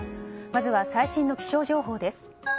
まずは最新の気象情報です。